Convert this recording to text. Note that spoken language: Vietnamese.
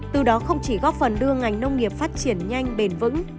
từ đó không chỉ góp phần đưa ngành nông nghiệp phát triển nhanh bền vững